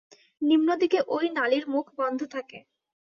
নিম্নদিকে ঐ নালীর মুখ বন্ধ থাকে।